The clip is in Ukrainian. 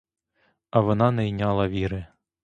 А вона не йняла віри.